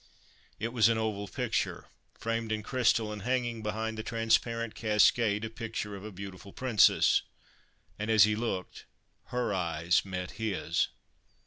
It was an oval picture, framed in crystal, and hanging behind the transparent cascade a picture of a beautiful Princess. And, as he looked, her eyes met his.